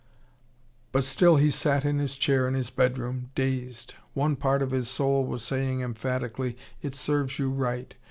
But still he sat in his chair in his bedroom, dazed. One part of his soul was saying emphatically: It serves you right.